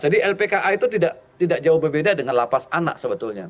jadi lpka itu tidak jauh berbeda dengan lapas anak sebetulnya